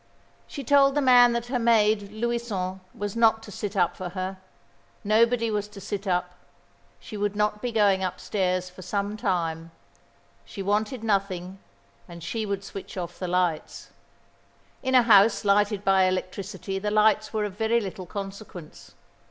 She told the man that her maid, Louison, was not to sit up for her. Nobody was to sit up. She would not be going upstairs for some time. She wanted nothing, and she would switch off the lights. In a house lighted by electricity the lights were of very little consequence.